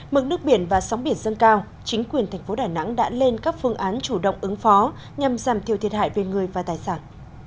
mức nước biển và sóng biển dâng cao chính quyền thành phố đà nẵng đã lên các phương án chủ động ứng phó nhằm giảm thiêu thiệt hại về người và tài sản